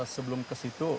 sebelum ke situ